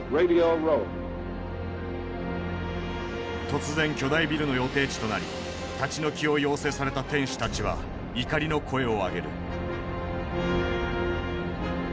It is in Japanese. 突然巨大ビルの予定地となり立ち退きを要請された店主たちは怒りの声を上げる。